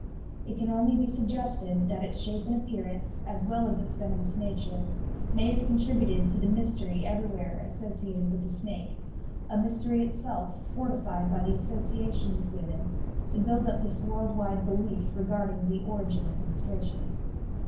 It can only be suggested that its shape and appearance, as well as its venomous nature, may have contributed to the mystery everywhere associated with the snake a mystery itself fortified by the association with women to build up this world wide belief regarding the origin of menstruation.